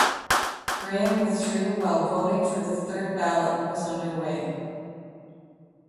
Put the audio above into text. Graham withdrew while voting for the third ballot was underway.